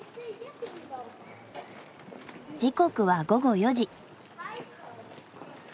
時刻は午後４時。